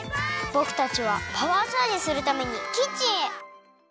ぼくたちはパワーチャージするためにキッチンへ！